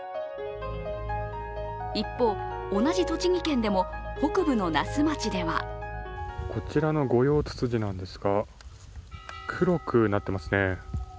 一方、同じ栃木県でも北部の那須町ではこちらのゴヨウツツジなんですが黒くなってますね。